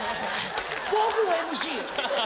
僕がＭＣ！